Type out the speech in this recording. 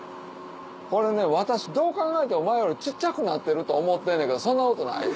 これね私どう考えても前より小っちゃくなってると思ってんねんけどそんなことない？